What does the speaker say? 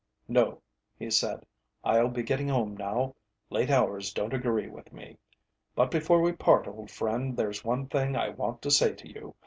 "No," he said, "I'll be getting home now; late hours don't agree with me. But before we part, old friend, there's one thing I want to say to you.